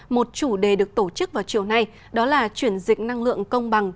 một chủ đề được tổ chức vào chiều nay đó là chuyển dịch năng lượng công bằng